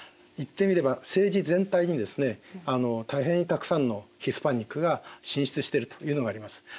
言ってみれば政治全体にですね大変たくさんのヒスパニックが進出してるというのがあります。